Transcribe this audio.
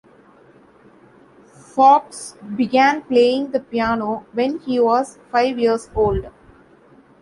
Foxx began playing the piano when he was five years old.